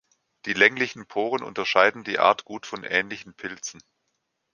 Die länglichen Poren unterscheiden die Art gut von ähnlichen Pilzen.